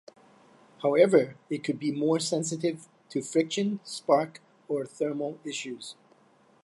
However, it could be more sensitive to friction, spark, or thermal issues.